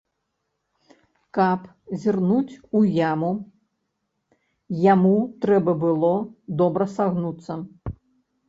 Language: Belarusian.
Каб зірнуць у яму, яму трэба было добра сагнуцца.